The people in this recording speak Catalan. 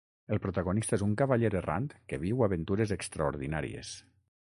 El protagonista és un cavaller errant que viu aventures extraordinàries.